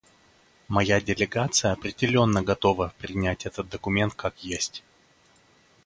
Моя делегация определенно готова принять этот документ как есть.